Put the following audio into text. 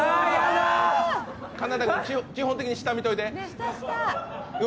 佳央太君、基本的に下見といて。